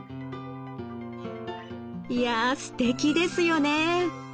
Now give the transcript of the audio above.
いやすてきですよね。